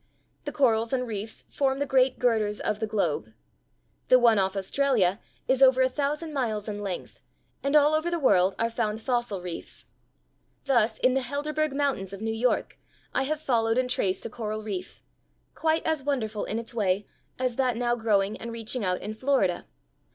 The corals and reefs form the great girders of the globe. The one off Australia is over a thousand miles in length, and all over the world are found fossil reefs. Thus in the Helderberg Mountains of New York I have followed and traced a coral reef, quite as wonderful in its way as that now growing and reaching out in Florida.